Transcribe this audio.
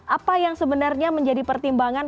apa yang sebenarnya menjadi pertimbangan